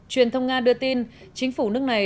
truyền thông nga đưa tin chính phủ nước này